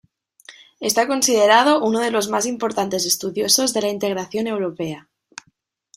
Está considerado uno de los más importantes estudiosos de la integración europea.